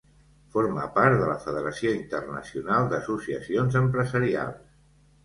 Forma part de la Federació Internacional d'Associacions Empresarials.